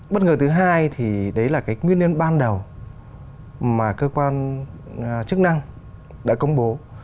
bất ngờ thứ hai thì đấy là cái nguyên nhân ban đầu mà cơ quan chức năng đã công bố